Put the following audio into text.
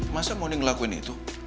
masa mondi ngelakuin itu